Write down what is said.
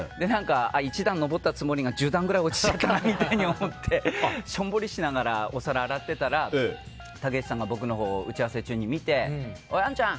一段上ったつもりが１０段くらい落ちちゃったなみたいに思ってしょんぼりしながらお皿洗ってたらたけしさんが僕のほうを打ち合わせ中に見ておい、あんちゃん！